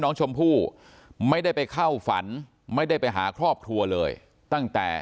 น้องชมพู่ไม่ได้ไปเข้าฝันไม่ได้ไปหาครอบครัวเลยตั้งแต่